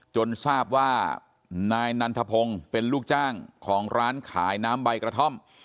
จนทราบว่านายนันทพงศ์เป็นลูกจ้างของร้านขายน้ำใบกระท่อม